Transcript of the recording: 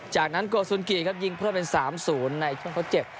จากนั้นโกสุนกิครับยิงเพิ่มเป็น๓๐ในช่วงทดเจ็บ